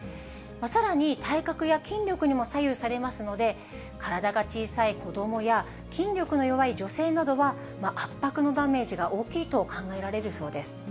さらに体格や筋力にも左右されますので、体が小さい子どもや、筋力の弱い女性などは、圧迫のダメージが大きいと考えられるそうです。